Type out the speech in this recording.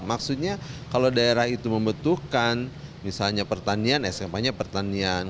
maksudnya kalau daerah itu membutuhkan misalnya pertanian smknya pertanian